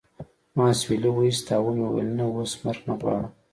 ما اسویلی وایست او و مې ویل نه اوس مرګ نه غواړم